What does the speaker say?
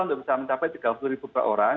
untuk bisa mencapai tiga puluh ribu per orang